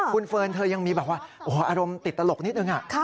คุณเฟิร์นเธอยังมีแบบว่าอารมณ์ติดตลกนิดนึง